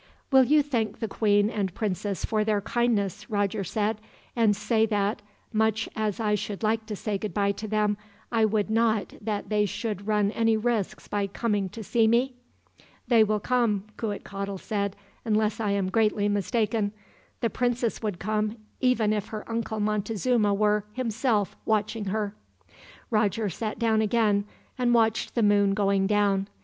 "Will you thank the queen and princess for their kindness," Roger said, "and say that, much as I should like to say goodbye to them, I would not that they should run any risks by coming to see me?" "They will come," Cuitcatl said, "unless I am greatly mistaken. The princess would come, even if her uncle Montezuma were, himself, watching her." Roger sat down again, and watched the moon going down.